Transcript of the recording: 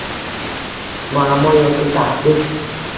«Muammo yoki tahdid»